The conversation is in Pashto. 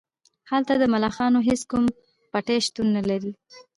هلته د ملخانو هیڅ کوم پټی شتون نلري